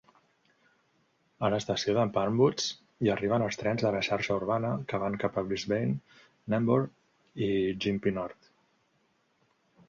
A l'estació de Palmwoods hi arriben els trens de la xarxa urbana que van cap a Brisbane, Nambour i Gympie North.